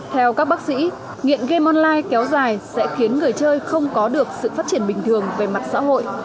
theo các bác sĩ nghiện game online kéo dài sẽ khiến người chơi không có được sự phát triển bình thường về mặt xã hội